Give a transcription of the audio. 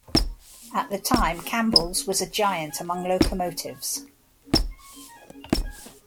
At the time, Campbell's was a giant among locomotives.